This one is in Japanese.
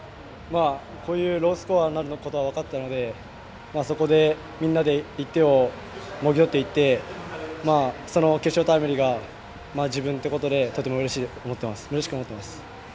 こういうロースコアになることは分かっていたのでそこで、みんなで１点をもぎ取っていって決勝タイムリーが自分ってことでとてもうれしく思っています。